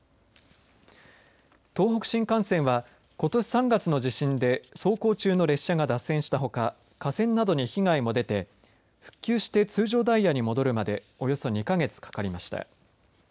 東北新幹線はことし３月の地震で走行中の列車が脱線したほか架線などに被害も出て復旧して通常ダイヤに戻るまでおよそ２か月かかりました。